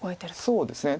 そうですね。